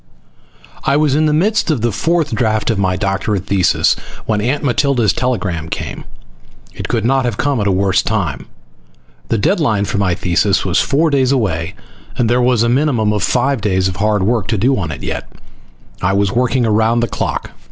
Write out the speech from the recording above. _ I was in the midst of the fourth draft of my doctorate thesis when Aunt Matilda's telegram came. It could not have come at a worse time. The deadline for my thesis was four days away and there was a minimum of five days of hard work to do on it yet. I was working around the clock.